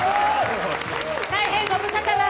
大変ご無沙汰な。